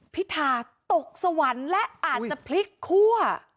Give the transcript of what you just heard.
พิธาตกสวรรค์และอาจจะพลิกคั่ว